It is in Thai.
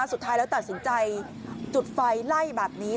สุดท้ายแล้วตัดสินใจจุดไฟไล่แบบนี้